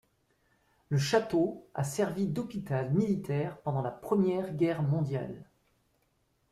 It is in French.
Le château a servi d'hôpital militaire pendant la Première Guerre mondiale.